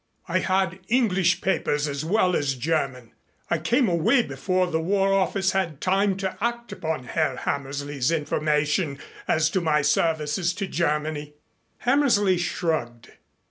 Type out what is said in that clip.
"I had English papers as well as German. I came away before the War Office had time to act upon Herr Hammersley's information as to my services to Germany." Hammersley shrugged.